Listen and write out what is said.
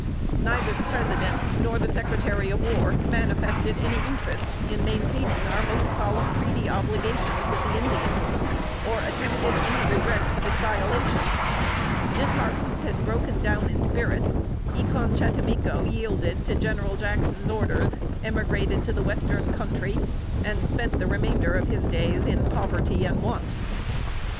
Neither the President, nor the Secretary of War, manifested any interest in maintaining our most solemn treaty obligations with the Indians, or attempted any redress for their violation. Disheartened and broken down in spirits, E con chattimico yielded to General Jackson's orders, emigrated to the western country, and spent the remainder of his days in poverty and want.